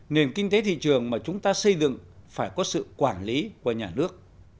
nền kinh tế thị trường mà chúng ta xây dựng phải có sự quản lý của nhà nước